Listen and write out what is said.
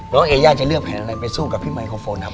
เอย่าจะเลือกแผ่นอะไรไปสู้กับพี่ไมโครโฟนครับ